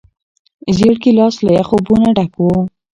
زېړ ګیلاس له یخو اوبو نه ډک و.